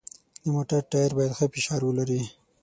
د موټر ټایر باید ښه فشار ولري.